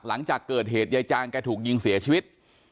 หลังจากเกิดเหตุยายจางแกถูกยิงเสียชีวิต